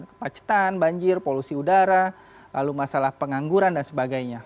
kemacetan banjir polusi udara lalu masalah pengangguran dan sebagainya